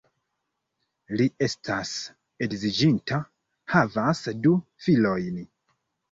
Li estas edziĝinta, havas du filojn.